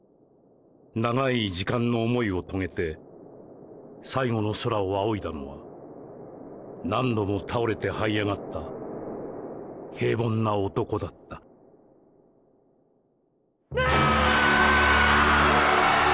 長い時間の想いを遂げて最後の空を仰いだのは何度も倒れてはい上がった平凡な男だったあああああああっ！！